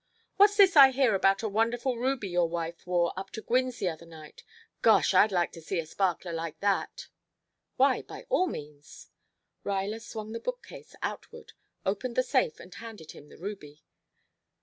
"What's this I hear about a wonderful ruby your wife wore up to Gwynne's the other night? Gosh! I'd like to see a sparkler like that." "Why, by all means." Ruyler swung the bookcase outward, opened the safe and handed him the ruby.